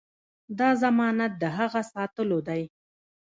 دا ضمانت د هغه ساتلو دی.